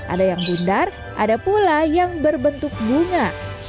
ada yang bundar ada pula yang berbentuk bunga